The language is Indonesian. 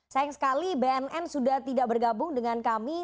sayang sekali bnm sudah tidak bergabung dengan kami